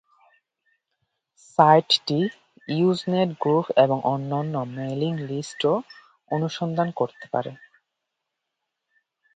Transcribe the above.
সাইটটি Usenet group এবং অন্যান্য মেইলিং লিস্টও অনুসন্ধান করতে পারে।